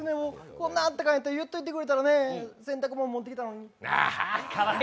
こんな暖かいんやったら言っておいてくれたら洗濯物持ってきたのに。